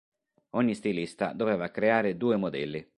Ogni stilista doveva creare due modelli.